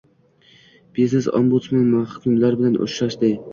Biznes-ombudsman mahkumlar bilan uchrashding